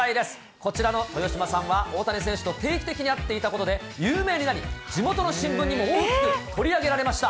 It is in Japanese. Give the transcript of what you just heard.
こちらの豊島さんは、大谷選手と定期的に会っていたことで、有名になり、地元の新聞にも大きく取り上げられました。